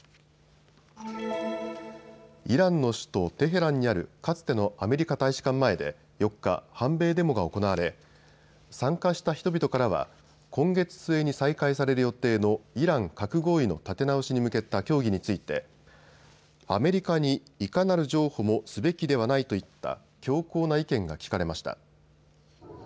イランの首都テヘランにあるかつてのアメリカ大使館前で４日、反米デモが行われ参加した人々からは今月末に再開される予定のイラン核合意の立て直しに向けた協議についてアメリカにいかなる譲歩もすべきではないといった強硬な意見が聞かれました。